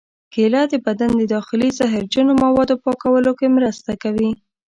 کېله د بدن د داخلي زهرجنو موادو پاکولو کې مرسته کوي.